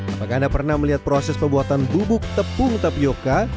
apakah anda pernah melihat proses pembuatan bubuk tepung tapioca